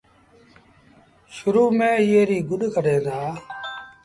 شرو ميݩ ايئي ريٚ گُڏ ڪڍين دآ۔